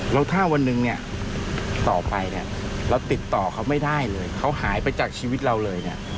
แล้วถ้าวันหนึ่งเนี่ยต่อไปเนี่ยเราติดต่อเขาไม่ได้เลยเขาหายไปจากชีวิตเราเลยเนี่ย